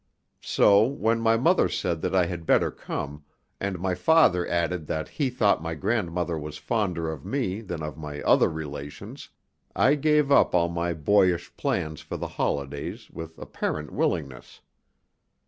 So when my mother said that I had better come, and my father added that he thought my grandmother was fonder of me than of my other relations, I gave up all my boyish plans for the holidays with apparent willingness.